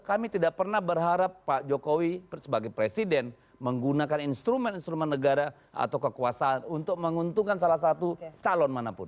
kami tidak pernah berharap pak jokowi sebagai presiden menggunakan instrumen instrumen negara atau kekuasaan untuk menguntungkan salah satu calon manapun